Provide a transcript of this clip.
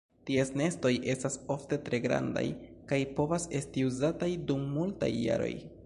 Ties nestoj estas ofte tre grandaj kaj povas esti uzataj dum multaj jaroj.